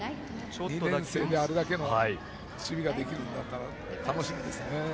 ２年生であれだけの守備ができるんだから楽しみですね。